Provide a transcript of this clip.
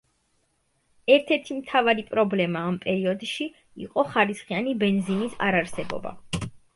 ერთ-ერთი მთავარი პრობლემა ამ პერიოდში იყო ხარისხიანი ბენზინის არარსებობა.